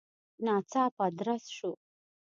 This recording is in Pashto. ناڅاپه درز شو.